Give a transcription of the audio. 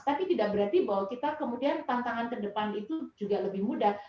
tapi tidak berarti bahwa kita kemudian tantangan ke depan itu juga lebih mudah